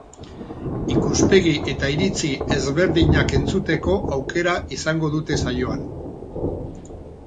Ikuspegi eta iritzi ezberdinak entzuteko aukera izango dute saioan.